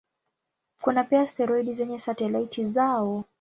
Kuna pia asteroidi zenye satelaiti zao.